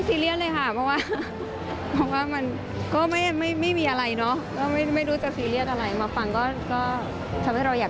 คิดว่าคือใครเหรอ